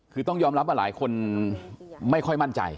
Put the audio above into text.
คือต้องยอมรับว่าหลายคนไม่ค่อยมั่นใจ